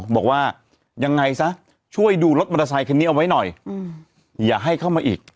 บอกว่ายังไงซะช่วยดูรถมอเตอร์ไซคันนี้เอาไว้หน่อยอย่าให้เข้ามาอีก